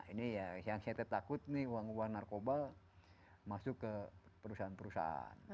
ini ya yang saya takut nih uang uang narkoba masuk ke perusahaan perusahaan